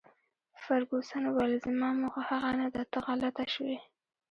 فرګوسن وویل: زما موخه هغه نه ده، ته غلطه شوې.